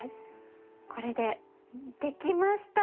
これでできました！